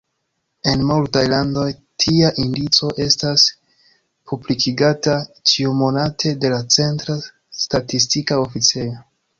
En multaj landoj, tia indico estas publikigata ĉiumonate de la centra statistika oficejo.